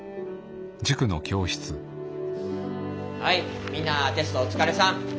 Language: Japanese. はいみんなテストお疲れさん。